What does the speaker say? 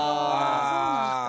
そうなんですか？